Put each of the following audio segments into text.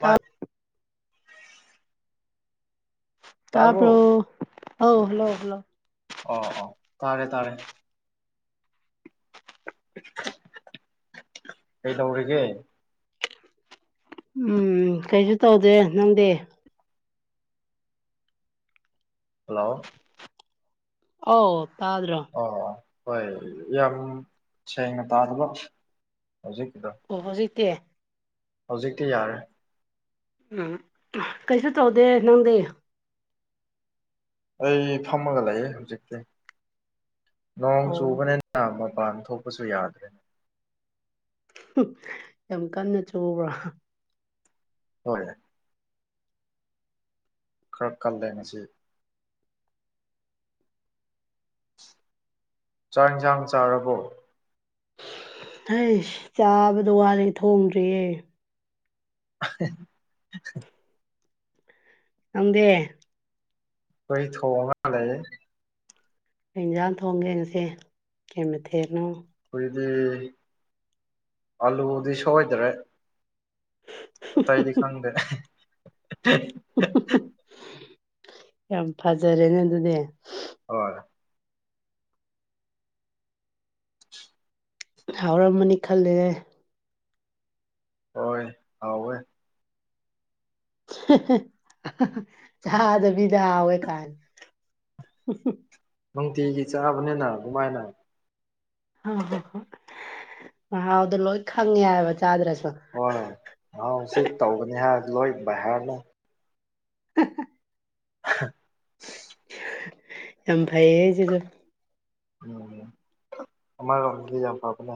ꯚꯥꯏ ꯇꯥꯕ꯭ꯔꯣ ꯇꯥꯕꯔ‌ꯣ ꯑꯧ ꯂꯧꯕꯗ‌ꯣ ꯑꯣ ꯑꯣ ꯇꯥꯔꯦ ꯇꯥꯔꯦ ꯀꯩꯗꯧꯔꯤꯒꯦ ꯎꯝ ꯀꯩꯁꯨ ꯇꯧꯗꯦ ꯅꯪꯗꯤ ꯍꯜꯂꯣ ꯑꯧ ꯇꯥꯗ꯭ꯔꯣ ꯑꯣ ꯍꯣꯏ ꯌꯥꯝ ꯁꯦꯡꯅ ꯇꯥꯗꯕ ꯍꯧꯖꯤꯛꯀꯤꯗꯣ ꯑꯣ ꯍꯧꯖꯤꯛꯇꯤ ꯍꯧꯖꯤꯛꯇꯤ ꯌꯥꯔꯦ ꯎꯝ ꯀꯩꯁꯨ ꯇꯧꯗꯦ ꯅꯪꯗꯤ ꯑꯩ ꯐꯝꯃꯒ ꯂꯩꯑꯦ ꯍꯧꯖꯤꯛꯇꯤ ꯅꯣꯡ ꯑꯣ ꯆꯨꯕꯅꯤꯅ ꯃꯄꯥꯟ ꯊꯣꯛꯄꯁꯨ ꯌꯥꯗꯦ ꯌꯥꯝ ꯀꯟꯅ ꯆꯨꯕ꯭ꯔꯣ ꯍꯣꯏ ꯈꯔ ꯀꯜꯂꯦ ꯉꯁꯤ ꯆꯥꯛ ꯏꯟꯁꯥꯡ ꯆꯥꯔꯕꯣ ꯍꯩꯁ ꯆꯥꯕꯗꯣ ꯋꯥꯂꯤ ꯊꯣꯡꯗ꯭ꯔꯤꯌꯦ [inaudible] ꯅꯪꯗꯤ ꯑꯩ ꯊꯣꯡꯉꯒ ꯂꯩ ꯀꯩ ꯏꯟꯖꯥꯡ ꯊꯣꯡꯒꯦ ꯉꯁꯤ ꯀꯩ ꯃꯊꯦꯜꯅꯣ ꯑꯩꯈꯣꯏꯗꯤ ꯑꯂꯨꯗꯤ ꯁꯣꯏꯗ꯭ꯔꯦ ꯑꯇꯩꯗꯤ ꯈꯪꯗꯦ ꯌꯥꯝ ꯐꯖꯔꯦꯅꯦ ꯑꯗꯨꯗꯤ ꯍꯣꯏ ꯍꯥꯎꯔꯝꯃꯅꯤ ꯈꯜꯂꯦ ꯍꯣꯏ ꯍꯥꯎꯋꯦ ꯆꯥꯗꯕꯤꯗ ꯍꯥꯎꯋꯦ ꯀꯥꯏꯅ ꯅꯨꯡꯇꯤꯒꯤ ꯆꯥꯕꯅꯤꯅ ꯑꯗꯨꯃꯥꯏꯅ ꯍꯣ ꯍꯣ ꯍꯣꯏ ꯃꯍꯥꯎꯗꯣ ꯂꯣꯏ ꯈꯪꯉꯦ ꯍꯥꯏꯕ ꯆꯥꯗ꯭ꯔꯁꯨ ꯍꯣꯏ ꯃꯍꯥꯎ ꯁꯤ ꯇꯧꯒꯅꯤ ꯍꯥꯏꯔ ꯂꯣꯏ ꯕꯥꯏꯍꯥꯔꯠꯅꯦ ꯍꯥ ꯍꯥ [inaudible] [inaudible] ꯌꯥꯝ ꯐꯩꯌꯦ ꯁꯤꯖꯨ ꯎꯝ ꯑꯃꯔꯣꯝꯗꯗꯤ ꯌꯥꯝ ꯐꯕꯅꯦ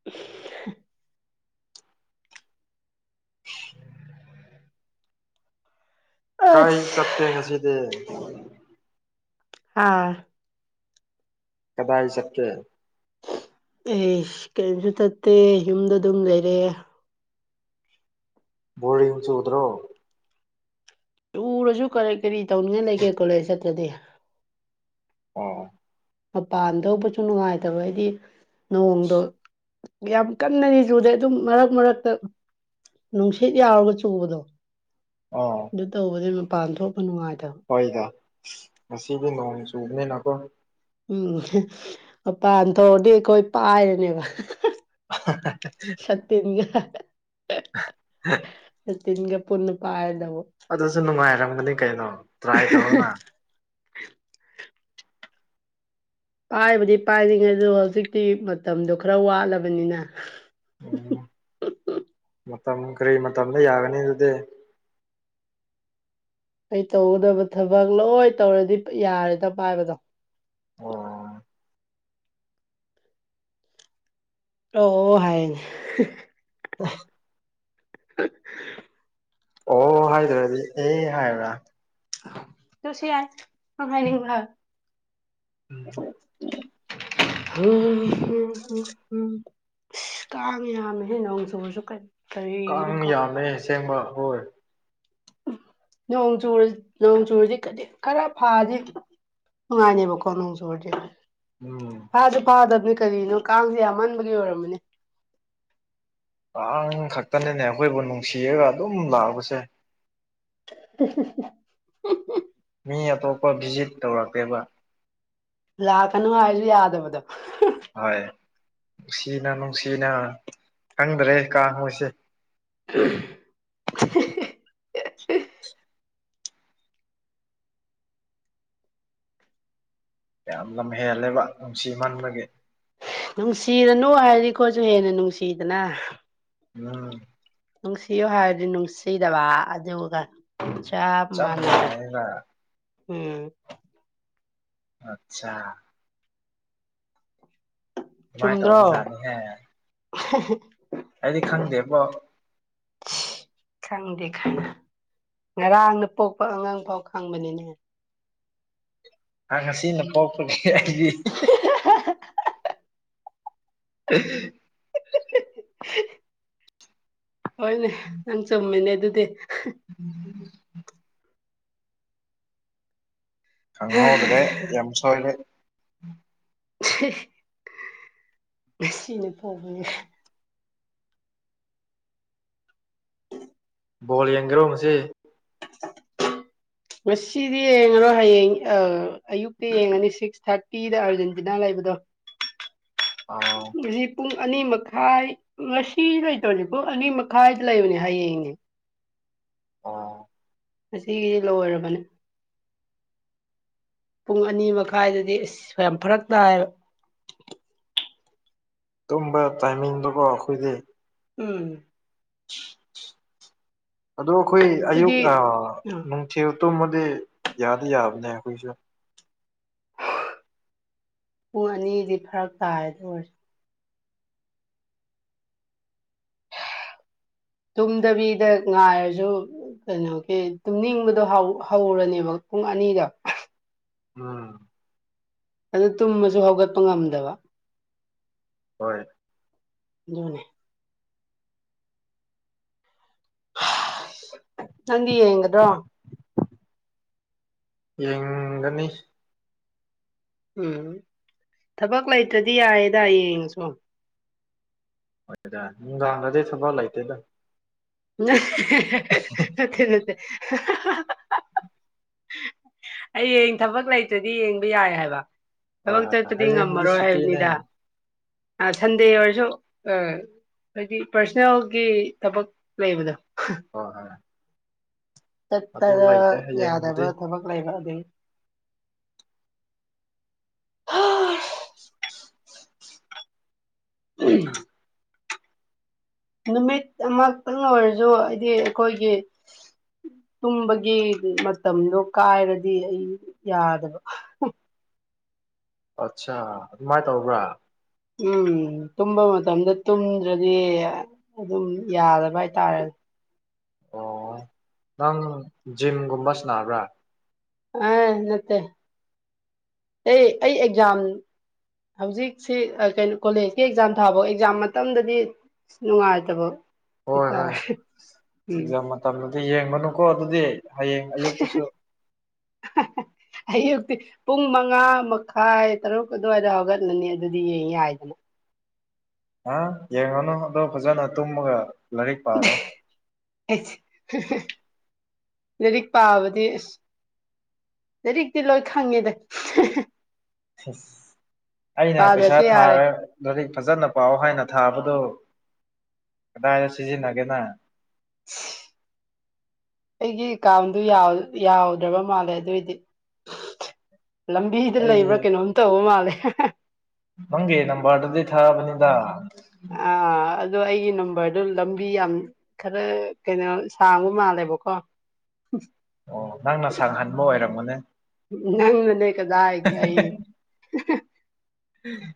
[inaudible] ꯀꯥꯏ ꯑꯁ ꯆꯠꯀꯦ ꯉꯁꯤꯗꯤ ꯑꯥ ꯀꯗꯥꯏ ꯆꯠꯀꯦ ꯑꯦꯁ ꯀꯔꯤꯝꯁꯨ ꯆꯠꯇꯦ ꯌꯨꯝꯗ ꯑꯗꯨꯝ ꯂꯩꯑꯦ ꯕꯣꯔꯤꯡ ꯆꯨꯗ꯭ꯔꯣ ꯆꯨꯔꯁꯨ ꯀꯔꯤ ꯀꯔꯤ ꯇꯧꯅꯤꯡꯉꯥꯏ ꯂꯩꯒꯦ ꯀꯣꯂꯦꯖ ꯆꯠꯇ꯭ꯔꯗꯤ ꯑꯣ ꯃꯄꯥꯟ ꯊꯣꯛꯄꯁꯨ ꯅꯨꯡꯉꯥꯏꯇꯕꯒꯤ ꯅꯣꯡꯗꯣ ꯌꯥꯝ ꯀꯟꯅꯗꯤ ꯆꯨꯗꯦ ꯑꯗꯨꯝ ꯃꯔꯛ ꯃꯔꯛꯇ ꯅꯨꯡꯁꯤꯠ ꯌꯥꯎꯔꯒ ꯆꯨꯕꯗꯣ ꯑꯣ ꯑꯗꯨ ꯇꯧꯕꯗꯩ ꯃꯄꯥꯟ ꯊꯣꯛꯄ ꯅꯨꯡꯉꯥꯏꯇꯕ ꯍꯣꯏꯗ ꯉꯁꯤꯗꯤ ꯅꯣꯡ ꯆꯨꯕꯅꯤꯅꯀꯣ ꯎꯝ ꯃꯄꯥꯟ ꯊꯣꯛꯑꯗꯤ ꯑꯩꯈꯣꯏ ꯄꯥꯏꯔꯅꯦꯕ [inaudible] ꯁꯇꯤꯟꯒ [inaudible] ꯇꯤꯟꯒ ꯄꯨꯅꯨ ꯄ ꯍꯥꯏꯗꯣ ꯑꯗꯨꯁꯨ ꯅꯨꯡꯉꯥꯏꯔꯝꯒꯅꯤ ꯀꯩꯅꯣ ꯇ꯭ꯔꯥꯏ ꯇꯧꯅ ꯄꯥꯏꯕꯗꯤ ꯄꯥꯏꯔꯤꯉꯩ ꯑꯗꯣ ꯍꯧꯖꯤꯛꯇꯤ ꯃꯇꯝꯗꯣ ꯈꯔ ꯋꯥꯠꯂꯕꯅꯤꯅ ꯎꯝ ꯃꯇꯝ ꯀꯔꯤ ꯃꯇꯝꯗ ꯌꯥꯒꯅꯤ ꯑꯗꯨꯗꯤ ꯑꯩ ꯇꯧꯒꯗꯕ ꯊꯕꯛ ꯂꯣꯏ ꯇꯧꯔꯗꯤ ꯌꯥꯔꯦꯗ ꯄꯥꯏꯕꯗꯣ ꯑꯣ ꯑꯣ ꯍꯥꯏꯅꯦ ꯑ [unintelligible] ꯑꯣ ꯍꯥꯏꯗ꯭ꯔꯗꯤ ꯑꯦ ꯍꯥꯏꯕ꯭ꯔꯥ ꯆ ꯁꯤ ꯌꯥꯏ ꯀꯉꯥꯏꯅꯤꯡꯚ ꯎꯝ ꯎꯝ ꯎꯝ ꯏꯁ ꯀꯥꯡꯉꯦ ꯌꯥꯝꯃꯦꯍꯦ ꯅꯣꯡ ꯆꯨꯕꯁꯨ ꯀꯩꯅꯣ ꯀꯥꯡ ꯌꯥꯝꯃꯦ ꯑꯁꯦꯡꯕ ꯍꯣꯏ ꯅꯣꯡ ꯆ ꯅꯣꯡ ꯆꯨꯔꯁꯤ ꯈꯔ ꯐꯥꯗꯤ ꯅꯨꯡꯉꯥꯏꯅꯦꯕꯀꯣ ꯅꯅꯨꯡꯁꯨꯨꯔꯗꯤꯦ ꯎꯝ ꯀꯥꯗꯨ ꯐꯥꯗꯕꯅꯤ ꯀꯔꯤꯅꯣ ꯀꯥꯡꯁꯦ ꯌꯥꯝꯃꯟꯕꯒꯤ ꯑꯣꯏꯔꯝꯃꯅꯤ ꯀꯥꯡ ꯈꯛꯇꯅꯅꯦ ꯑꯩꯈꯣꯏꯕꯨ ꯅꯨꯡꯁꯤꯔꯒ ꯑꯗꯨꯝ ꯂꯥꯛꯄꯁꯦ ꯇꯁ ꯃꯤ ꯑꯇꯣꯞꯄ ꯚꯤꯖꯤꯠ ꯇꯧꯔꯛꯇꯦꯕ ꯂꯥꯛꯀꯅꯨ ꯍꯥꯏꯔꯁꯨ ꯌꯥꯗꯕꯗꯣ ꯍꯣꯏ ꯅꯨꯡꯁꯤꯅ ꯅꯨꯡꯁꯤꯅ ꯈꯪꯗ꯭ꯔꯦ ꯀꯥ ꯃꯣꯏꯁꯦ ꯍ ꯌꯥꯝ ꯂꯝ ꯍꯦꯜꯂꯦꯕ ꯅꯨꯡꯁꯤꯃꯟꯕꯒꯤ ꯅꯨꯡꯁꯤꯔꯅꯨ ꯍꯥꯏꯔꯗꯤ ꯈꯣꯠꯁꯨ ꯍꯦꯟꯅ ꯅꯨꯡꯁꯤꯗꯅ ꯎꯝ ꯅꯨꯡꯁꯤꯌꯣ ꯍꯥꯏꯔꯗꯤ ꯅꯨꯡꯁꯤꯗꯕ ꯑꯗꯨꯒ ꯆꯞ ꯃꯥꯟꯅꯦ ꯎꯝ ꯑꯆꯥ ꯑꯗꯨꯃꯥꯏꯅ ꯆꯨꯝꯗ꯭ꯔꯣ ꯇꯧꯕꯖꯥꯠꯅꯤꯍꯦ ꯍꯥꯏꯗꯤ ꯈꯪꯗꯦꯕꯣ ꯈꯪꯗꯦ ꯈꯥꯏꯅ ꯉꯔꯥꯡꯅ ꯄꯣꯛꯄ ꯑꯉꯥꯡ ꯐꯥꯎ ꯈꯪꯕꯅꯤꯅꯦ ꯍ ꯉꯁꯤꯅ ꯄꯣꯛꯄꯒꯤ ꯍꯥꯏꯗꯤ ꯎꯝ [unintelligible] ꯍꯣꯏꯅꯦ ꯅꯪ ꯆꯨꯝꯃꯦꯅꯦ ꯑꯗꯨꯗꯤ ꯎꯝ ꯈꯪꯍꯣꯗꯂꯦ ꯌꯦꯝꯁꯣꯂ ꯃꯁꯤꯁꯤꯅ ꯐꯥꯎꯕꯅꯦ ꯕꯣꯜ ꯌꯦꯡꯒꯔꯣ ꯃꯁꯤ [unintelligible] ꯉꯁꯤꯗꯤ ꯌꯦꯡꯉꯔꯣ ꯍꯌꯦꯡ ꯑꯌꯨꯛꯇ ꯌꯦꯡꯉꯅꯤ ꯁꯤꯛꯁ ꯊꯥꯔꯇꯤꯗ ꯑꯥꯔꯖꯦꯟꯇꯤꯅꯥ ꯂꯩꯕꯗꯣ ꯑꯣ ꯎ ꯄꯨꯡ ꯑꯅꯤ ꯃꯈꯥꯏ ꯉꯁꯤ ꯂꯩꯇꯣꯏꯅꯦ ꯄꯨꯡ ꯑꯅꯤ ꯃꯈꯥꯏ ꯂꯩꯕꯅꯦ ꯍꯌꯦꯡꯅꯦ ꯑ ꯉꯒꯤꯁꯤ ꯂꯣꯏꯔꯕꯅꯦ ꯄꯨꯡ ꯑꯅꯤ ꯃꯈꯥꯏꯗꯗꯤ ꯑꯁ ꯁ ꯌꯥꯝ ꯐꯔꯛ ꯇꯥꯏꯌꯦꯕ ꯇꯨꯝꯕ ꯇꯥꯏꯃꯤꯡꯗꯨꯀꯣ ꯑꯩꯈꯣꯏꯗꯤ ꯎꯝ ꯑꯗꯣ ꯑꯩꯈꯣꯏ ꯑꯩꯗꯤ ꯑꯌꯨꯛꯅ ꯎꯝ ꯊꯦꯜ ꯇꯨꯝꯃꯗꯤ ꯌꯥꯗꯤ ꯌꯥꯕꯅꯦ ꯑꯩꯈꯣꯏꯁꯨ ꯄꯨꯡ ꯑꯅꯤꯗꯤ ꯐꯔꯛ ꯇꯥꯏꯗ ꯑꯣꯏꯔꯁꯨ ꯇꯨꯝꯗꯕꯤꯗ ꯉꯥꯏꯔꯁꯨ ꯀꯩꯅꯣꯒꯤ ꯇꯨꯝꯅꯤꯡꯕꯗꯣ ꯍꯧꯔꯅꯦꯕ ꯄꯨꯡ ꯑꯅꯤꯗ ꯎꯝ ꯑꯗꯨ ꯇꯨꯝꯃꯁꯨ ꯍꯧꯒꯠꯄ ꯉꯝꯗꯕ ꯍꯣꯏ ꯑꯗꯨꯅꯤ ꯅꯪꯗꯤ ꯌꯦꯡꯒꯗ꯭ꯔꯣ ꯌꯦꯡꯒꯅꯤ ꯎꯝ ꯊꯕꯛ ꯂꯩꯇ꯭ꯔꯗꯤ ꯌꯥꯏꯌꯦꯗ ꯌꯦꯡꯉꯁꯨ ꯍꯣꯏꯗ ꯅꯨꯡꯗꯥꯡꯗꯗꯤ ꯊꯕꯛ ꯂꯩꯇꯦꯗ ꯅꯠꯇꯦ ꯅꯠꯇꯦ ꯑꯩꯌꯦꯡ ꯊꯕꯛ ꯂꯩꯇ꯭ꯔꯗꯤ ꯌꯦꯡꯕ ꯌꯥꯏ ꯍꯥꯏꯕ ꯍꯣꯏ ꯊꯕꯛ ꯍꯣꯏ ꯆꯠꯄꯗꯤ ꯍꯌꯦꯡꯕꯨꯗꯤ ꯉꯝꯃꯔꯣꯏ ꯁꯨꯇꯤꯅꯦ ꯍꯥꯏꯕꯅꯤꯗ ꯁꯟꯗꯦ ꯑꯣꯏꯔꯁꯨ ꯍꯥꯏꯗꯤ ꯄꯥꯔꯁꯣꯅꯦꯜꯒꯤ ꯊꯕꯛ ꯂꯩꯕꯗꯣ ꯍꯣꯏ ꯍꯣꯏ ꯑꯗꯨ ꯆꯠꯇꯅ ꯂꯩꯇꯦ ꯌꯥꯗꯕ ꯍꯌꯦꯡꯕꯨꯗꯤ ꯊꯕꯛ ꯂꯩꯕ ꯑꯗꯨꯏ ꯎꯝ ꯅꯨꯃꯤꯠ ꯑꯃꯛꯇꯪ ꯑꯣꯏꯔꯁꯨ ꯍꯥꯏꯗꯤ ꯑꯩꯈꯣꯏꯒꯤ ꯇꯨꯝꯕꯒꯤ ꯃꯇꯝꯗꯣ ꯀꯥꯏꯔꯗꯤ ꯑꯩ ꯌꯥꯗꯕ ꯑꯠꯆꯥ ꯑꯗꯨꯃꯥꯏꯅ ꯇꯧꯕ꯭ꯔꯥ ꯎꯝ ꯇꯨꯝꯕ ꯃꯇꯝꯗ ꯇꯨꯝꯗ꯭ꯔꯗꯤ ꯑꯗꯨꯝ ꯌꯥꯗꯕ ꯍꯥꯏꯇꯥꯔꯦ ꯑꯣ ꯅꯪ ꯖꯤꯝꯒꯨꯝꯕ ꯁꯅꯥꯕ꯭ꯔꯥ ꯑ ꯅꯠꯇꯦ ꯑꯩ ꯑꯩ ꯑꯦꯛꯖꯥꯝ ꯍꯧꯖꯤꯛꯁꯤ ꯀꯩꯅꯣ ꯀꯣꯂꯦꯖꯀꯤ ꯑꯦꯛꯖꯥꯝ ꯊꯥꯕ ꯑꯦꯛꯖꯥꯝ ꯃꯇꯝꯗꯗꯤ ꯅꯨꯡꯉꯥꯏꯇꯕ ꯍꯣꯏ ꯍꯣꯏ ꯍꯥꯏꯇꯥꯔꯦ ꯎꯝ ꯑꯦꯛꯖꯥꯝ ꯃꯇꯝꯗꯗꯤ ꯌꯦꯡꯕꯅꯨꯀꯣ ꯑꯗꯨꯗꯤ ꯍꯌꯦꯡ ꯑꯌꯨꯛꯇꯁꯨ [inaudible] ꯑꯌꯨꯛꯇꯤ ꯄꯨꯡ ꯃꯉꯥ ꯃꯈꯥꯏ ꯇꯔꯨꯛ ꯑꯗꯨꯋꯥꯏꯗ ꯍꯧꯒꯠꯂꯅꯤ ꯑꯗꯨꯗꯤ ꯌꯦꯡ ꯌꯥꯏꯗꯅ ꯑ ꯌꯦꯡꯉꯨꯅꯨ ꯑꯗꯣ ꯐꯖꯅ ꯇꯨꯝꯃꯒ ꯂꯥꯏꯔꯤꯛ ꯄꯥꯔꯣ ꯂꯔꯤꯛ ꯄꯥꯕꯗꯤ ꯑꯁ ꯂꯔꯤꯛꯇꯤ ꯂꯣꯏ ꯈꯪꯉꯦꯗ ꯑꯁ ꯑꯩꯅ ꯄꯩꯁꯥ ꯄꯥꯗ꯭ꯔꯁꯨ ꯌꯥꯔꯦ ꯊꯥꯔ ꯂꯥꯏꯔꯤꯛ ꯐꯖꯅ ꯄꯥꯎ ꯍꯥꯏꯅ ꯊꯥꯕꯗꯨ ꯀꯗꯥꯏꯗ ꯁꯤꯖꯤꯟꯅꯒꯦꯅ ꯏꯁ ꯑꯩꯒꯤ ꯀꯥꯎꯟꯗꯨ ꯌꯥꯎꯗ꯭ꯔꯕ ꯃꯥꯜꯂꯦ ꯑꯗꯨꯏꯗꯤ ꯂꯝꯕꯤꯗ ꯑꯩ ꯂꯩꯕ꯭ꯔꯥ ꯀꯩꯅꯣꯝ ꯇꯧꯕ ꯃꯥꯜꯂꯦ ꯅꯪꯒꯤ ꯅꯝꯕꯔꯗꯨꯗꯤ ꯊꯥꯕꯅꯤꯗ ꯑꯥ ꯑꯗꯣ ꯑꯩꯒꯤ ꯅꯝꯕꯔꯗꯣ ꯂꯝꯕꯤ ꯌꯥꯝ ꯈꯔ ꯀꯩꯅꯣ ꯁꯥꯡꯕ ꯃꯥꯜꯂꯦꯕꯀꯣ ꯑꯣ ꯅꯪꯅ ꯁꯥꯡꯍꯟꯕ ꯑꯣꯏꯔꯝꯒꯅꯦ ꯅꯪꯅ ꯅꯣꯏ ꯀꯥꯗꯥꯏꯒꯤ ꯑꯩ ꯎꯝ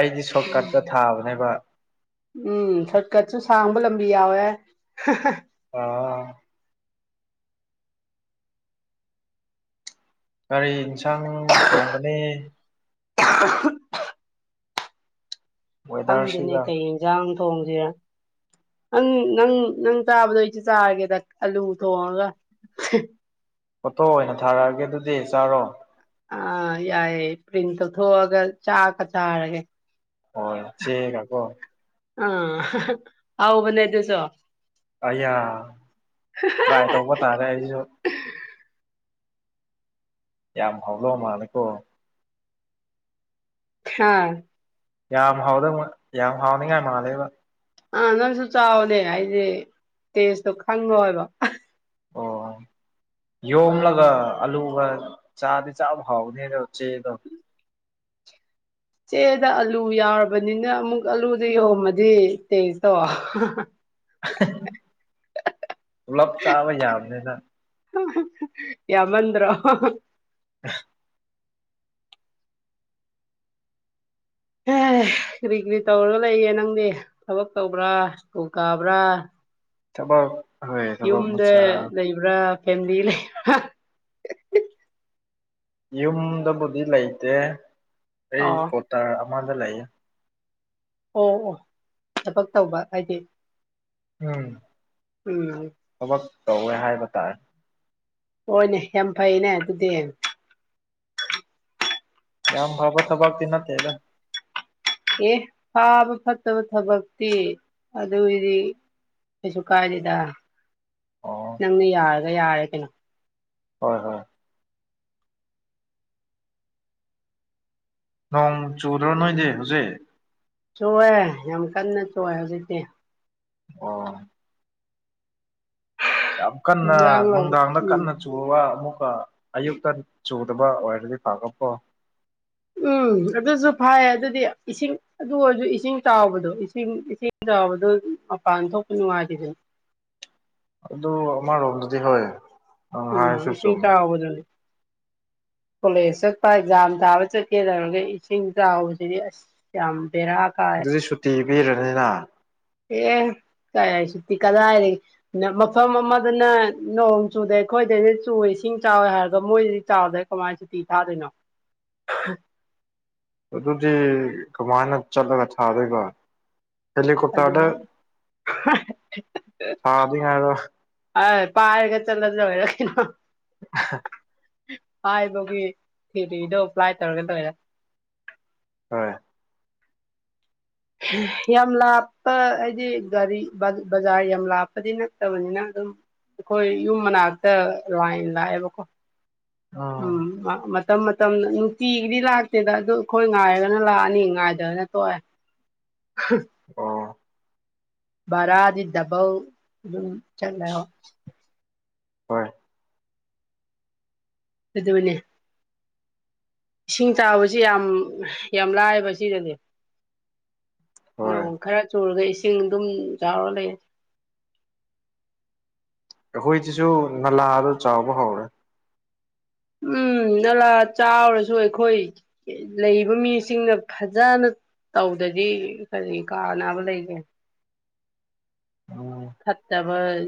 ꯑꯩꯗꯤ ꯁꯣꯔꯠꯀꯠꯇ ꯊꯥꯕꯅꯦꯕ ꯎꯝ ꯁꯣꯔꯠꯀꯠꯁꯨ ꯁꯥꯡꯕ ꯂꯝꯕꯤ ꯌꯥꯎꯋꯦ ꯑꯥ [unintelligible] ꯀꯥꯔꯤ ꯏꯟꯁꯥꯡ ꯊꯣꯡꯒꯅꯤ [unintelligible] ꯈꯪꯗꯦꯅꯤ ꯋꯦꯗꯔꯁꯤꯒ ꯀꯩ ꯌꯦꯟꯁꯥꯡ ꯊꯣꯡꯁꯤꯔꯥ ꯅꯪ ꯅꯪ ꯅꯪ ꯇꯥꯕꯗ ꯑꯩꯁꯤ ꯆꯥꯔꯒꯦꯗ ꯑꯂꯨ ꯊꯣꯡꯉꯒ ꯐꯣꯇꯣ ꯑꯣꯏꯅ ꯊꯥꯔꯛꯑꯒꯦ ꯑꯗꯨꯗꯤ ꯆꯥꯔꯣ ꯑꯥ ꯌꯥꯏꯌꯦ ꯄ꯭ꯔꯤꯟ ꯇꯧꯊꯣꯛꯑꯒ ꯆꯥꯛꯒ ꯆꯥꯔꯒꯦ ꯍꯣꯏ ꯆꯦꯒ ꯀꯣ ꯑꯥ [unintelligible] ꯍꯥꯎꯕꯅꯦ ꯑꯗꯨꯁꫭ ꯑꯌꯥ ꯇ꯭ꯔꯥꯏ ꯇꯧꯕ ꯇꯔꯦ ꯑꯩꯁꯨ ꯑꯥ ꯌꯥꯝ ꯍꯥꯎꯗꯣ ꯃꯥꯜꯂꯦꯀꯣ ꯑꯍꯥ ꯌꯥꯝ ꯍꯥꯎꯗꯕ ꯌꯥꯝ ꯍꯥꯎꯅꯤꯡꯉꯥꯏ ꯃꯥꯜꯂꯦꯕ ꯑꯥ ꯅꯪꯁꯨ ꯆꯥꯎꯅꯦ ꯍꯥꯏꯗꯤ ꯇꯦꯁꯇꯣ ꯈꯪꯉꯣꯏꯕ ꯑꯣ ꯌꯣꯡꯂꯒ ꯑꯂꯨꯒ ꯆꯥꯗꯤ ꯆꯥꯕ ꯍꯥꯎꯅꯦꯗꯣ ꯆꯦꯗꯣ ꯆꯦꯗ ꯑꯥꯂꯨ ꯌꯥꯎꯔꯕꯅꯤꯅ ꯑꯃꯨꯛ ꯑꯂꯨꯗ ꯌꯍꯣꯝꯃꯗꯤ ꯇꯥꯁꯇꯦ [unintelligible] ꯄꯨꯂꯞ ꯆꯥꯕ ꯌꯥꯕꯅꯦꯗ ꯌꯥꯝ ꯃꯟꯗ꯭ꯔꯣ [inaudible] ꯑꯦ ꯀꯔꯤ ꯀꯔꯤ ꯇꯧꯔꯒ ꯂꯩꯌꯦ ꯅꯪꯗꯤ ꯊꯕꯛ ꯇꯧꯕ꯭ꯔꯥ ꯁ꯭ꯀꯨꯜ ꯀꯥꯕ꯭ꯔꯥ ꯊꯕꯛ [unintelligible] ꯃꯆꯥ ꯄꯨ꯭ꯔꯥ ꯐꯦꯃꯤꯂꯤ ꯂꯩ ꯌꯨꯝꯗꯕꯨꯗꯤ ꯂꯩꯇꯦ ꯑꯩ ꯑꯣ ꯀꯣꯇꯥꯔ ꯑꯃꯗ ꯂꯩꯌꯦ ꯑꯣ ꯑꯣ ꯊꯕꯛ ꯇꯧꯕ ꯍꯥꯏꯗꯤ ꯎꯝ ꯎꯝ ꯊꯕꯛ ꯇꯧꯋꯦ ꯍꯥꯏꯕ ꯇꯥꯏ ꯍꯣꯏꯅꯦ ꯌꯥꯝ ꯐꯩꯅꯦ ꯑꯗꯨꯗꯤ ꯌꯥꯝ ꯐꯕ ꯊꯕꯛꯇꯤ ꯅꯠꯇꯦꯗ ꯑꯦ ꯐꯥꯕ ꯐꯠꯇꯕ ꯊꯕꯛꯇꯤ ꯑꯗꯨꯏꯗꯤ ꯀꯩꯁꯨ ꯀꯥꯏꯗꯦꯗ ꯑꯣ ꯅꯪꯅ ꯌꯥꯔꯒ ꯌꯥꯔꯦ ꯀꯩꯅꯣ ꯍꯣꯏ ꯍꯣꯏ ꯅꯣꯡ ꯆꯨꯗ꯭ꯔꯣ ꯅꯣꯏꯗꯤ ꯍꯧꯖꯤꯛ ꯆꯨꯑꯦ ꯌꯥꯝ ꯀꯟꯅ ꯆꯨꯑꯦ ꯍꯧꯖꯤꯛꯇꯤ ꯑꯣ ꯌꯥꯝ ꯀꯟꯅ ꯏꯟꯖꯥꯡ ꯂꯧ ꯅꯨꯡꯗꯥꯡꯗ ꯎꯝ ꯀꯟꯅ [unintelligible] ꯑꯃꯨꯛꯀ ꯑꯌꯨꯛꯇ ꯆꯨꯗꯕ ꯑꯣꯏꯔꯗꯤ ꯐꯥꯕꯀꯣ ꯎꯝ ꯑꯗꯨꯁꯨ ꯐꯩ ꯑꯗꯨꯗꯤ ꯏꯁꯤꯡ ꯑꯗꯨ ꯑꯣꯏꯔꯁꯨ ꯏꯁꯤꯡ ꯆꯥꯎꯕꯗꯣ ꯏꯁꯤꯡ ꯏꯁꯤꯡ ꯆꯥꯎꯕꯗꯣ ꯃꯄꯥꯟ ꯊꯣꯛꯄ ꯅꯨꯡꯉꯥꯏꯇꯗ ꯑꯗꯨ ꯑꯥꯃꯔꯣꯝꯗꯗꯤ ꯍꯣꯏ ꯅꯪ ꯎꯝ ꯍꯥꯏꯔꯁꯨ ꯃꯤꯁꯤ ꯆꯨꯝꯃꯦ ꯆꯥꯎꯕꯗꯅꯤ ꯀꯣꯂꯦꯖ ꯆꯠꯄ ꯑꯦꯛꯖꯥꯝ ꯊꯥꯕ ꯆꯠꯀꯦ ꯇꯧꯔꯒ ꯏꯁꯤꯡ ꯆꯥꯎꯕꯁꯤꯗꯤ ꯑꯁ ꯌꯥꯝꯗꯦꯔ ꯑꯗꯨꯗꯤ ꯁꯨꯇꯤ ꯄꯤꯔꯅꯤꯅ ꯑꯦ ꯀꯔꯥꯏ ꯁꯨꯇꯤ ꯀꯗꯥꯗꯩ ꯅ ꯃꯐꯝ ꯑꯃꯗꯅ ꯅꯣꯡ ꯆꯨꯗꯦ ꯑꯩꯈꯣꯏꯗꯩꯗꯤ ꯆꯨꯏ ꯏꯁꯤꯡ ꯆꯥꯎꯋꯦ ꯍꯥꯏꯕ ꯃꯣꯏꯗꯤ ꯆꯥꯎꯗ ꯀꯃꯥꯏ ꯁꯨꯇꯤ ꯊꯥꯗꯣꯏꯅꯣ ꯑꯗꯨꯗꯤ ꯀꯃꯥꯏꯅ ꯆꯠꯂꯒ ꯊꯥꯗꯣꯏꯕ ꯇꯜꯂꯤ ꯑꯗꯨꯝ ꯀꯨꯠꯇꯥꯇ ꯁꯥꯗꯤꯉꯗ ꯑ ꯄꯥꯏꯔꯒ ꯆꯠꯂꯗ ꯑꯣꯏꯔ ꯀꯩꯅꯣ [unintelligible] ꯍꯥꯏꯕꯒꯤ ꯊꯤꯜꯂꯤꯗꯣ ꯄ꯭ꯂꯥꯏ ꯇꯧꯔꯒ ꯇꯧꯔ ꯍꯣꯏ ꯌꯥꯝ ꯂꯥꯞꯄ ꯍꯥꯏꯗꯤ ꯒꯥꯔꯤ ꯕꯖꯥꯔ ꯌꯥꯝ ꯂꯥꯞꯄꯗꯤ ꯅꯠꯇꯕꯅꯤꯅ ꯑꯗꯨꯝ ꯑꯩꯈꯣꯏ ꯌꯨꯝ ꯃꯅꯥꯛꯇ ꯂꯥꯏꯅ ꯂꯥꯛꯑꯦꯕꯀꯣ ꯎꯝ ꯃꯇꯝ ꯃꯇꯝꯅ ꯅꯨꯡꯇꯤꯒꯤꯗꯤ ꯂꯥꯛꯇꯦꯗ ꯑꯗꯨ ꯑꯩꯈꯣꯏ ꯉꯥꯏꯔꯒꯅ ꯂꯥꯛꯑꯅꯤ ꯉꯥꯏꯗꯒꯅ ꯇꯣꯛꯑꯦ ꯑꯣ ꯕꯔꯥꯗꯤ ꯗꯕꯜ ꯑꯗꯨꯝ ꯆꯠꯂꯣ ꯍꯣꯏ ꯑꯗꯨꯗꯕꯅꯦ ꯏꯁꯤꯡ ꯇꯥꯕꯁꯤ ꯌꯥꯝ ꯌꯥꯝ ꯂꯥꯏꯑꯕ ꯁꯤꯗꯗꯤ ꯍꯣꯏ ꯅꯣꯡ ꯈꯔ ꯆꯨꯔꯒ ꯏꯁꯤꯡ ꯑꯗꯨꯝ ꯆꯥꯎꯔ ꯂꯩ ꯑꯩꯈꯣꯏꯁꯤꯁꯨ ꯅꯂꯥꯗꯣ ꯆꯥꯎꯕ ꯍꯧꯔꯦ ꯎꯝ ꯅꯂꯥ ꯆꯥꯎꯔꯁꯨ ꯑꯩꯈꯣꯏ ꯂꯩꯕ ꯃꯤꯁꯤꯡꯅ ꯐꯖꯅ ꯇꯧꯗꯗꯤ ꯀꯔꯤ ꯀꯥꯅꯕ ꯂꯩꯒꯦ [inaudible] ꯎꯝ ꯈꯠꯇꯕ